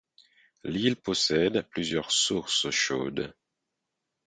L'île possède plusieurs sources chaudes.